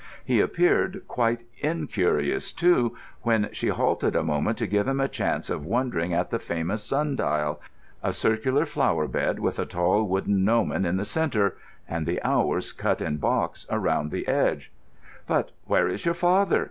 He appeared quite incurious, too, when she halted a moment to give him a chance of wondering at the famous sun dial—a circular flower bed with a tall wooden gnomon in the centre and the hours cut in box around the edge. "But where is your father?"